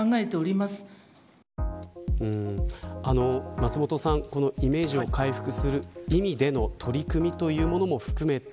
松本さん、このイメージを回復する意味での取り組みというものも含めて